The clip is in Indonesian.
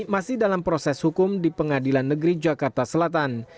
masih dalam proses hukum di pengadilan negeri jakarta selatan